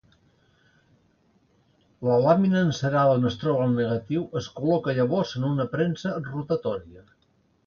La làmina encerada on es troba el negatiu es col·loca llavors en una premsa rotatòria.